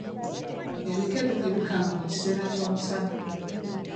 Ebikere tebikaaba mu kiseera ky’omusana.